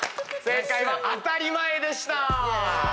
正解は「あたりまえ」でした。